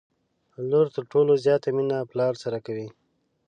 لور تر ټولو زياته مينه پلار سره کوي